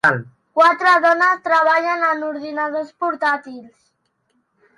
Quatre dones treballen en ordinadors portàtils.